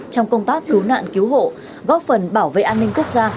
trong công tác cứu nạn cứu hộ góp phần bảo vệ an ninh quốc gia